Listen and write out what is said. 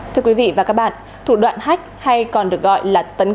thưa quý vị và các bạn thủ đoạn hách hay còn được gọi là tấn công